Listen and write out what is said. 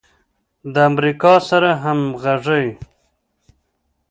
د امریکا سره همغږي